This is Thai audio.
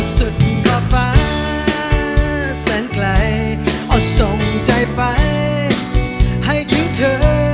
สุดก็ฟ้าแสนไกลส่งใจไปให้ทิ้งเธอ